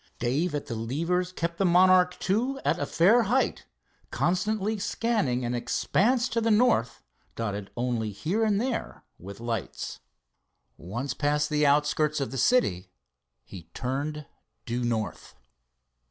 Dave at the levers kept the Monarch II at a fair height, constantly scanning an expanse to the north dotted only here and there with lights. Once past the outskirts of the city he turned due north.